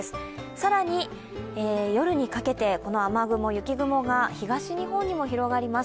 更に夜にかけてこの雨雲・雪雲が東日本にも広がります。